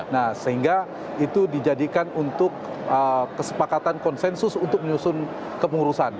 nah sehingga itu dijadikan untuk kesepakatan konsensus untuk menyusun kemurusan